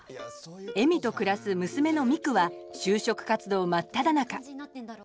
恵美と暮らす娘の未来は就職活動真っただ中。